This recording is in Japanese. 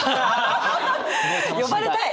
呼ばれたい！